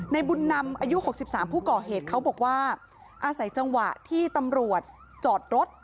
บุญนำอายุ๖๓ผู้ก่อเหตุเขาบอกว่าอาศัยจังหวะที่ตำรวจจอดรถ